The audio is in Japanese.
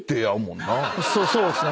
そうっすね。